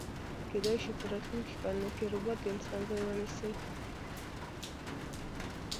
کیدای شی په راتلونکي کلونو کی ربات د انسان ځای ونیسي